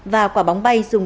và quả bóng bay